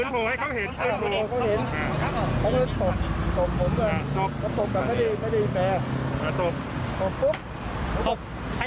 พวกมันตบตกผมก็ตบอย่างน้อย